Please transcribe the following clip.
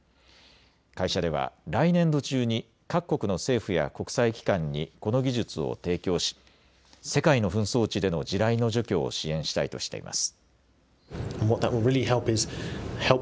会社では来年度中に各国の政府や国際機関にこの技術を提供し、世界の紛争地での地雷の除去を支援したいとしています。